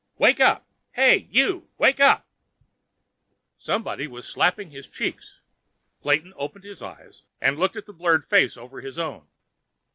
"Wake up! Hey, you! Wake up!" Somebody was slapping his cheeks. Clayton opened his eyes and looked at the blurred face over his own.